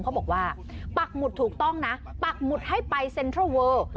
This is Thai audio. เขาบอกว่าปักหมุดถูกต้องนะปักหมุดให้ไปเซ็นทรัลเวอร์